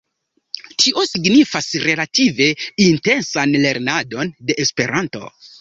Tio signifas relative intensan lernadon de Esperanto.